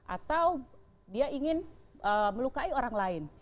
atau dia ingin melukai orang lain